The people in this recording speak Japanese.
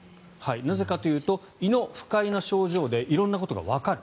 なぜかというと胃の不快な症状で色んなことがわかる。